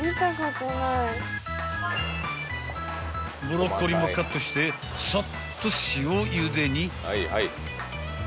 ［ブロッコリーもカットしてサッと塩ゆでに］